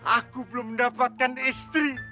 aku belum mendapatkan istri